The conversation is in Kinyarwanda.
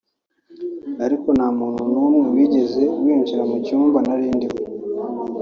ariko nta muntu n’umwe wigeze winjira mu cyumba nari ndimo